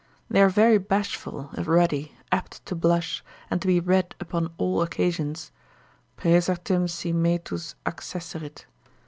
They are very bashful, if ruddy, apt to blush, and to be red upon all occasions, praesertim si metus accesserit.